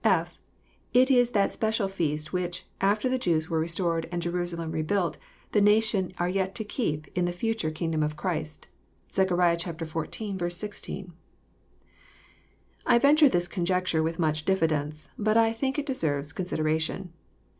(/.) It is that special feast which, after the Jews are restored and Jerusalem rebuilt, the nation are yet to keep in the future kingdom of Christ. (Zech. xiv. 16.) I venture this conjecture with much diffidence ; but I think it deserves consideration.